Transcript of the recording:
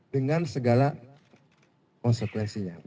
dengan segala konsekuensinya